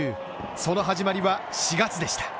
その始まりは４月でした。